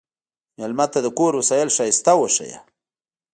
مېلمه ته د کور وسایل ښايسته وښیه.